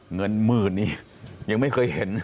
เงินหมื่นนี่ยังไม่เคยเห็น